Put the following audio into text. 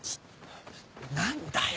何だよ